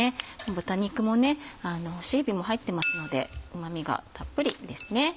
豚肉も干しえびも入ってますのでうま味がたっぷりですね。